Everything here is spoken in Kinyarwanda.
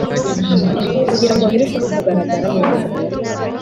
kugira ngo birusheho kugaragara neza.